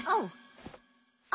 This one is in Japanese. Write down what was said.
あ。